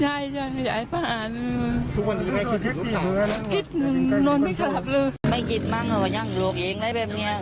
หากอย่างหลุกเองตรงนี้